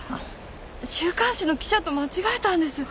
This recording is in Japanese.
週刊誌の記者と間違えたんです。